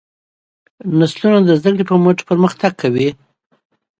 نسلونه د زدهکړې په مټ پرمختګ کوي.